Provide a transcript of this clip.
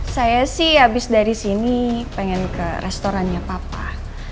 saya sih habis dari sini pengen ke restorannya papa